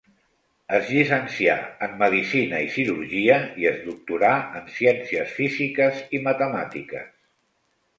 Es llicencià en medicina i cirurgia i es doctorà en ciències físiques i matemàtiques.